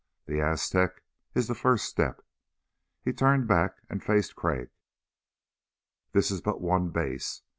The Aztec is the first step." He turned back and faced Crag. "This is but one base.